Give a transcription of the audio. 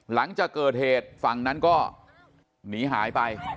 หลังจากเกิดเหตุฝั่งนั้นก็หนีหายไป